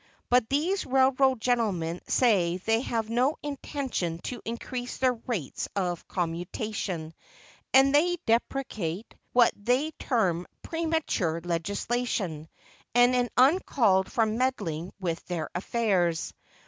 But these railroad gentlemen say they have no intention to increase their rates of commutation, and they deprecate what they term "premature legislation," and an uncalled for meddling with their affairs.